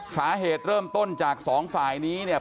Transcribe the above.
สาเหตุเริ่มต้นจากสองฝ่ายนี้เนี่ย